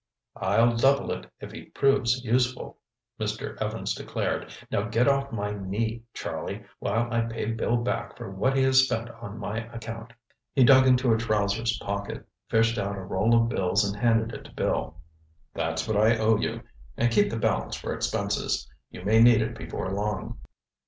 "I'll double it if he proves useful," Mr. Evans declared. "Now get off my knee, Charlie, while I pay Bill back for what he has spent on my account." He dug into a trousers' pocket, fished out a roll of bills and handed it to Bill. "That's what I owe you—and keep the balance for expenses. You may need it before long."